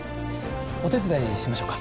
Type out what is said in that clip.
お手伝いしましょうか？